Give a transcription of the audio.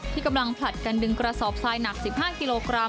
ที่กำลังผลัดกันดึงกระสอบทรายหนัก๑๕กิโลกรัม